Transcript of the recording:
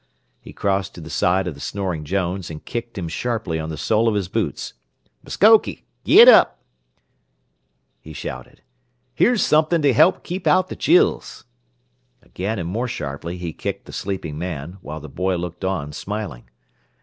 He crossed to the side of the snoring Jones, and kicked him sharply on the sole of his boots. "M'skoke! Git up!" he shouted. "Here's something to keep out the chills." Again, and more sharply, he kicked the sleeping man, while the boy looked on, smiling.